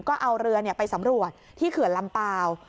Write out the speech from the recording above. ก็เอาเรือไปสำรวจที่เขื่อนลำเปล่า